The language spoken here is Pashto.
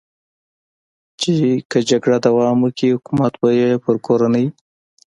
چې که جګړه دوام وکړي، حکومت به یې پر کورنۍ.